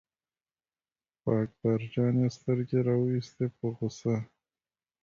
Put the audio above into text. په اکبر جان یې سترګې را وویستې په غوسه.